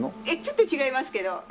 いえちょっと違いますけど。